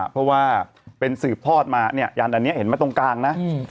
เพราะว่าเป็นสืบทอดมาเนี่ยยันอันนี้เห็นไหมตรงกลางนะ